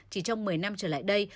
chỉ trong một mươi năm trở lại đây